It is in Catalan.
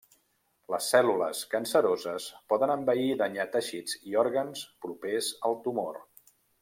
Les cèl·lules canceroses poden envair i danyar teixits i òrgans propers al tumor.